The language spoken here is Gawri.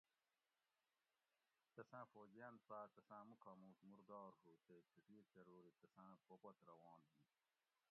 تساں فوجیاۤن سُوآۤ تساۤں مُوکامُوک مُردار ہُو تے کِھٹیر چرور ای تساۤں پوپت روان ہی